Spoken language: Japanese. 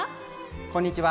こんにちは。